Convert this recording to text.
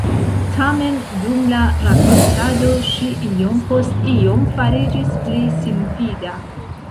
Tamen dum la rakontado ŝi iom post iom fariĝis pli sinfida.